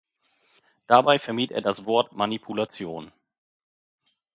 Dabei vermied er das Wort Manipulation.